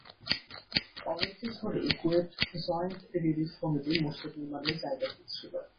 অনেক দিন ধরেই কুয়েত জয়েন্ট রিলিফ কমিটি মসজিদ নির্মাণের জায়গা খুঁজছিল।